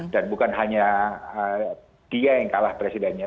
dan bukan hanya dia yang kalah presidennya